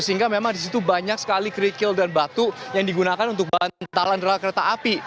sehingga memang di situ banyak sekali kerikil dan batu yang digunakan untuk bantalan rel kereta api